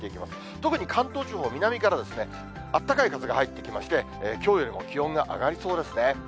特に関東地方、南から暖かい風が入ってきまして、きょうよりも気温が上がりそうですね。